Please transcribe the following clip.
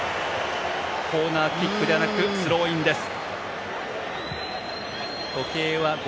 コーナーキックではなくスローインです。